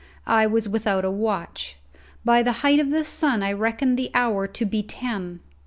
I was without a watch. By the height of the sun I reckoned the hour to be ten.